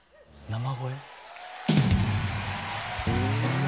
「生声？」